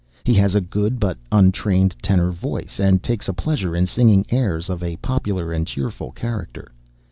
He has a good but untrained tenor voice, and takes a pleasure in singing airs of a popular and cheerful character.